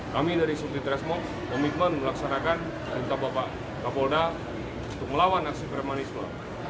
kami dari suntit resmop komitmen melaksanakan dan minta bapak kapolda untuk melawan aksi permanislo